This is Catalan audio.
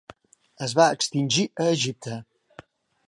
Es va extingir a Egipte.